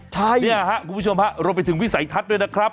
ใช่เนี่ยครับคุณผู้ชมฮะรวมไปถึงวิสัยทัศน์ด้วยนะครับ